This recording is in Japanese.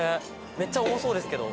めっちゃ重そうですけど。